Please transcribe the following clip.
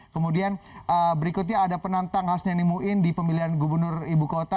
kemudian berikutnya ada penantang hasnani muin di pemilihan gubernur ibu kota